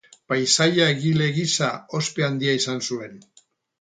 Paisaia-egile gisa ospe handia izan zuen.